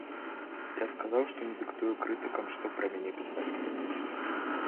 Я сказаў, што не дыктую крытыкам, што пра мяне пісаць.